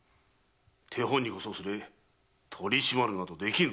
手本にこそすれ取り締まるなどできん。